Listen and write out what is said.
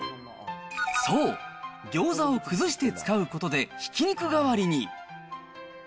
そう、ギョーザを崩して使うことでひき肉代わりに。